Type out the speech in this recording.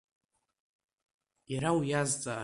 Иара уиазҵаар…